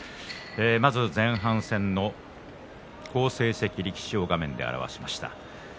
まず前半戦の好成績力士を画面で表しました。